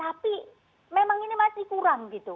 tapi memang ini masih kurang gitu